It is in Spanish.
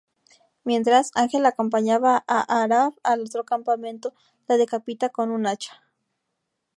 Mientras Angela acompaña a Arab al otro campamento la decapita con un hacha.